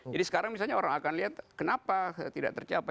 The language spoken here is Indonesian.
jadi sekarang misalnya orang akan lihat kenapa tidak tercapai